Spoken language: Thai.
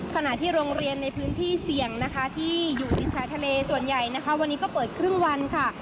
ขณะที่โรงเรียนในพื้นที่เสี่ยงนะคะที่อยู่ติดชายทะเลส่วนใหญ่นะคะวันนี้ก็เปิดครึ่งวันค่ะ